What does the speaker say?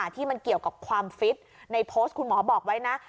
ที่มันเกี่ยวกับความฟิตในโพสต์คุณหมอบอกไว้นะ